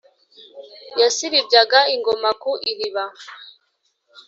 yasirimbyaga ingoma ku iriba.